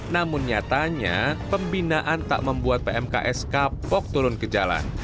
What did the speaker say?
namun nyatanya pembinaan tak membuat pmks kapok turun ke jalan